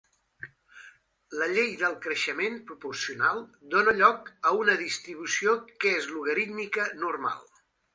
La llei del creixement proporcional dona lloc a una distribució que és logarítmica normal.